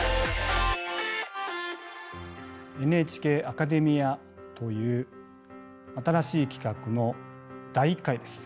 「ＮＨＫアカデミア」という新しい企画の第１回です。